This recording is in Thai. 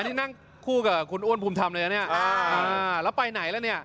นี่นั่งคู่กับคุณอ้วนภูมิธรรมเลยนะเนี่ยแล้วไปไหนแล้วเนี่ย